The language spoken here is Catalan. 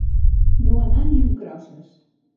No anar ni amb crosses.